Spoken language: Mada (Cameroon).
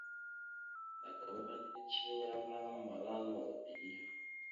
Neke ma, afalaŋa ana taka ceŋelara mbarŋa ma, amala no eveɗe yaw ?